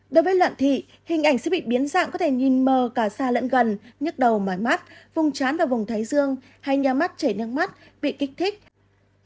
đối với loạn thị hình ảnh sẽ bị biến dạng có thể nhìn mờ cả xa lẫn gần nhức đầu mãi mắt vùng chán ở vùng thái dương hay nhà mắt chảy nước mắt bị kích thích